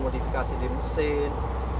modifikasi di mesin